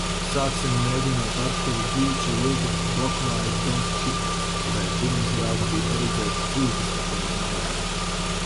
Sāksim mēģināt Artura Dīča lugu "Blokmājas dons Kihots", kurai pirmizrāde bija paredzēta trīsdesmitajā maijā.